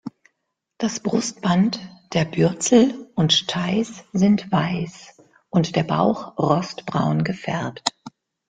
Das Brustband, der Bürzel und Steiß sind weiß und der Bauch rostbraun gefärbt.